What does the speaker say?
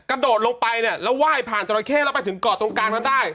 กระโดดลงไปเนี่ยแล้วไหว้ผ่านจราเข้แล้วไปถึงเกาะตรงกลางนั้นได้